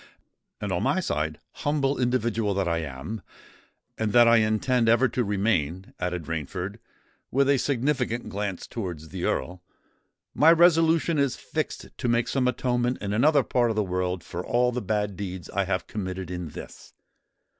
"And, on my side—humble individual that I am, and that I intend ever to remain," added Rainford, with a significant glance towards the Earl, "my resolution is fixed to make some atonement in another part of the world for all the bad deeds I have committed in this.